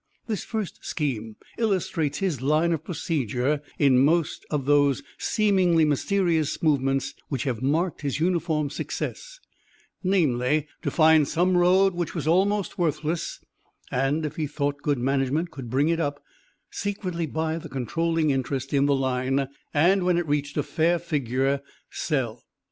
This first scheme illustrates his line of procedure in most of those seemingly mysterious movements which have marked his uniform success; namely, to find some road which was almost worthless and, if he thought good management would bring it up, secretly buy the controlling interest in the line, and when it reached a fair figure, sell.